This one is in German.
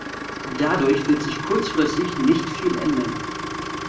Dadurch wird sich kurzfristig nicht viel ändern.